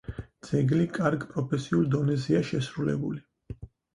ძეგლი კარგ პროფესიულ დონეზეა შესრულებული.